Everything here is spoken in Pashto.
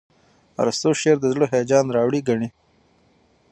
ارستو شعر د زړه هیجان راوړي ګڼي.